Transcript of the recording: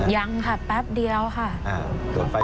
ยังค่ะแป๊บเดียวค่ะ